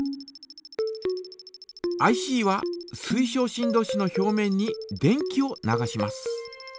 ＩＣは水晶振動子の表面に電気を流します。